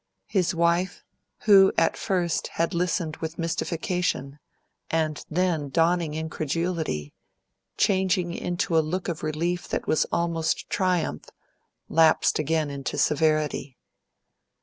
His wife, who at first had listened with mystification, and then dawning incredulity, changing into a look of relief that was almost triumph, lapsed again into severity.